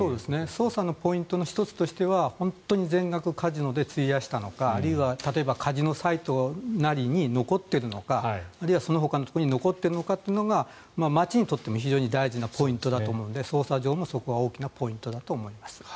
捜査のポイントの１つとしては本当に全額カジノで費やしたのかあるいは例えばカジノサイトなりに残っているのかあるいはそのほかのところに残っているのかということが町にとっても非常に大事なポイントだと思うので捜査上もそこは大きなポイントだと思います。